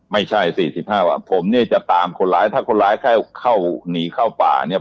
ไม่ใช่๔๕วันผมเนี่ยจะตามคนร้ายถ้าคนร้ายเข้าหนีเข้าป่าเนี่ย